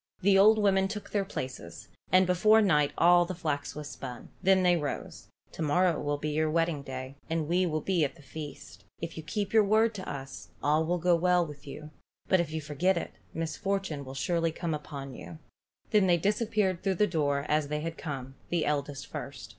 The old women took their places, and before night all the flax was spun. Then they rose. "To morrow will be your wedding day, and we will be at the feast. If you keep your word to us, all will go well with you, but if you forget it, misfortune will surely come upon you." Then they disappeared through the door as they had come, the eldest first.